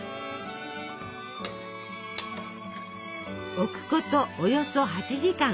置くことおよそ８時間。